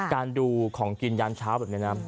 การดูของกินยานเช้าแบบเนียเลยนะ